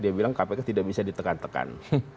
dia bilang kpk tidak bisa ditekan tekan